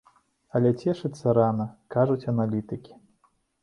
Але цешыцца рана, кажуць аналітыкі.